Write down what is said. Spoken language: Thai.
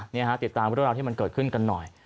เนี่ยเรารอดที่มันเกิดขึ้นกันหน่อย